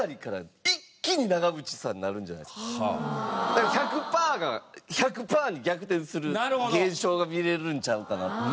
だから１００パーが１００パーに逆転する現象が見れるんちゃうかなと。